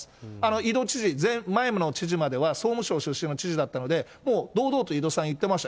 井戸知事、前の知事までは、総務省出身の知事だったので、もう、堂々と井戸さん言ってました。